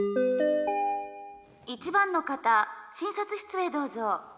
「１番の方診察室へどうぞ」。